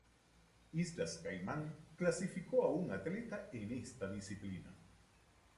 Islas Caimán clasificó a un atleta en esta disciplina.